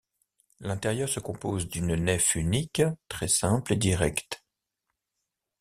L'intérieur se compose d'une nef unique, très simple et direct.